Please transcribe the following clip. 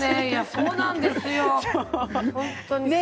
そうなんですよ。